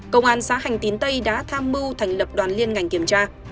công an xã hành tín tây đã tham mưu thành lập đoàn liên ngành kiểm tra